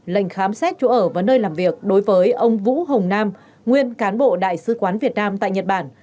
lệnh khám xét chỗ ở và nơi làm việc đối với ông vũ hồng nam nguyên cán bộ đại sứ quán việt nam tại nhật bản